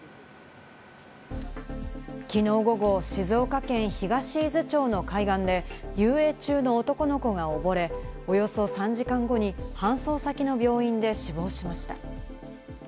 きのう午後、静岡県東伊豆町の海岸で、遊泳中の男の子が溺れ、およそ３時間後に搬送先の病院で死亡しました。